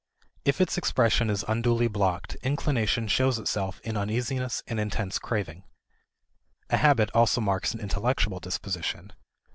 If its expression is unduly blocked, inclination shows itself in uneasiness and intense craving. A habit also marks an intellectual disposition.